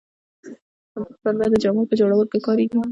پنبه د جامو په جوړولو کې کاریږي